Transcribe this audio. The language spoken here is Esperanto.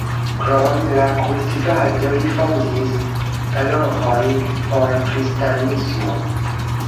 Krom la kultivado li fondis paroĥon por kristanismo.